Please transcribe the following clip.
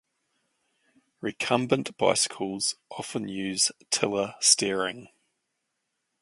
Recumbent bicycles often use tiller steering.